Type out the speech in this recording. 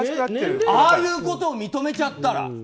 ああいうことを認めちゃったら。